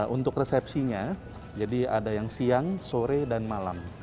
untuk resepsinya jadi ada yang siang sore dan malam